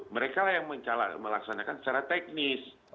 mereka lah yang melaksanakan secara teknis